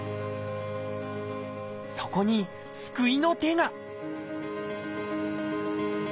そこに救いの手が！